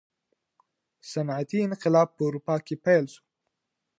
صنعتي انقلاب په اروپا کي پیل سو.